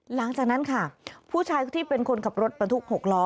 หลังจากนั้นค่ะผู้ชายที่เป็นคนขับรถบรรทุก๖ล้อ